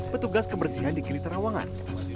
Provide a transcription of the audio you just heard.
petugas kebersihan di gili terawangan